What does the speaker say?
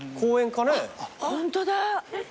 ホントだ。